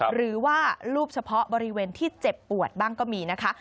หรือว่ารูปเฉพาะบริเวณที่เจ็บปวดบ้างก็มีนะคะ